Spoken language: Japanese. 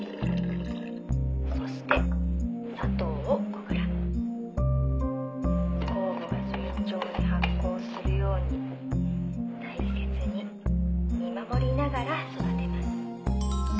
「そして砂糖を５グラム」「酵母が順調に発酵するように大切に見守りながら育てます」